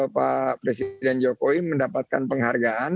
pak presiden jokowi mendapatkan penghargaan